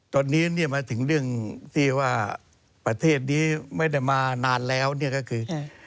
ตอนนี้เนี่ยมาถึงเรื่องที่ว่าประเทศนี้ไม่ได้มานานแล้วเนี่ยก็คือ